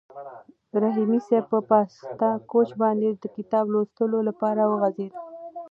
رحیمي صیب په پاسته کوچ باندې د کتاب لوستلو لپاره وغځېد.